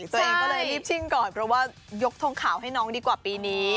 ตัวเองก็เลยรีบชิ่งก่อนเพราะว่ายกทงขาวให้น้องดีกว่าปีนี้